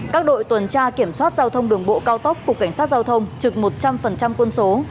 các đội tuần tra kiểm soát giao thông đường bộ cao tốc cục cảnh sát giao thông trực một trăm linh quân số